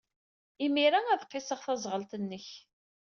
Imir-a, ad qisseɣ taẓɣelt-nnek.